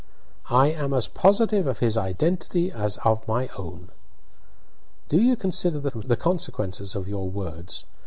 "I am as positive of his identity as of my own." "Do you consider the consequences of your words?